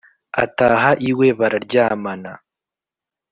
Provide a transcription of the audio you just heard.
ataha iwe bararyamana.